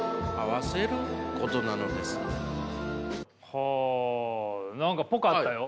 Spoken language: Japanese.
はあ何かぽかったよ。